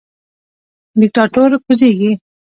دیکتاتور کوزیږي